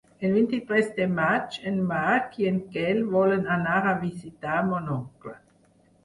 El vint-i-tres de maig en Marc i en Quel volen anar a visitar mon oncle.